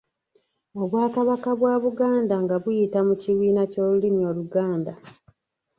Obwakabaka bwa Buganda nga buyita mu kibiina ky’olulimi Oluganda